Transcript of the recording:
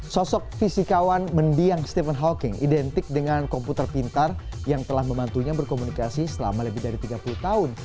sosok fisikawan mendiang stephen hawking identik dengan komputer pintar yang telah membantunya berkomunikasi selama lebih dari tiga puluh tahun